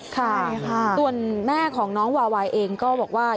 ใช่ค่ะส่วนแม่ของน้องวาวายเองก็บอกว่า